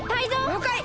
りょうかい！